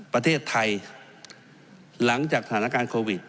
ประเทศไทยหลังจากสถานการณ์โควิด